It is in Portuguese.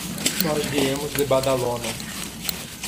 Nós viemos de Badalona.